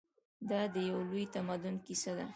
دا د یو لوی تمدن کیسه ده.